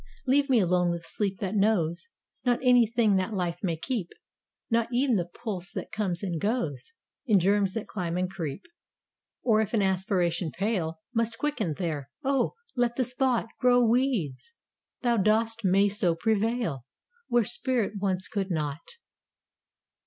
Leave me alone with sleep that knows Not any thing that life may keep Not e'en the pulse that comes and goes In germs that climb and creep. Or if an aspiration pale Must quicken there oh, let the spot Grow weeds! that dost may so prevail, Where spirit once could not!